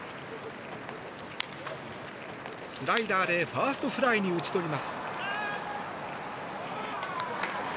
スライダーでファーストフライに打ち取ります。